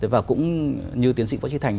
và cũng như tiến sĩ phó chí thành